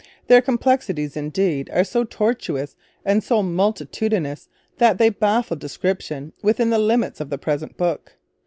Their complexities, indeed, are so tortuous and so multitudinous that they baffle description within the limits of the present book.